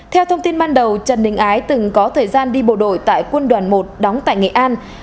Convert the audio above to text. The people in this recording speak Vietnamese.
theo thông tin ban đầu trần đình ái từng có thời gian đi bộ đội tại quân đoàn một đóng tại nghệ an